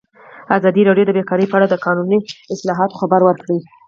ازادي راډیو د بیکاري په اړه د قانوني اصلاحاتو خبر ورکړی.